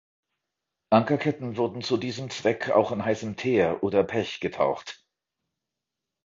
Ankerketten wurden zu diesem Zweck auch in heißem Teer oder Pech getaucht.